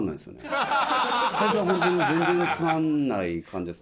最初はホントにね全然つまんない感じです。